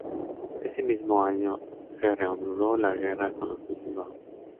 Ese mismo año se reanudó la guerra con los Países Bajos.